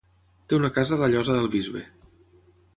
Té una casa a la Llosa del Bisbe.